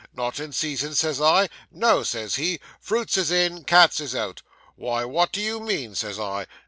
"Not in season!" says I. "No," says he, "fruits is in, cats is out." "Why, what do you mean?" says I.